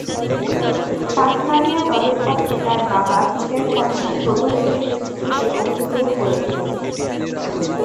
Tasmania দলের পক্ষে তার বাবা পিটার ফকনার প্রথম-শ্রেণীর ক্রিকেটে অংশগ্রহণ করেছিলেন।